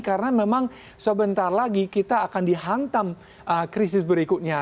karena memang sebentar lagi kita akan dihantam krisis berikutnya